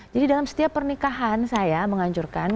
jadi dalam setiap pernikahan saya mengajurkan